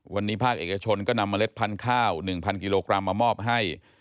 วันนี้ภาคเอกชนก็นำเมล็ดพันธุ์ข้าว๑๐๐กิโลกรัมมามอบให้